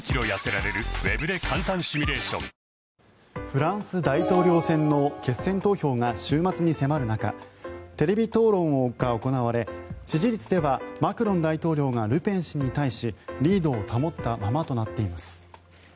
フランス大統領選の決選投票が週末に迫る中テレビ討論が行われ、支持率ではマクロン大統領がルペン氏に対しリードを保ったままとなっています。